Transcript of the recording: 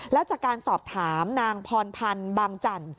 แล้วจากการสอบถามนางพรพันธ์บางจันทร์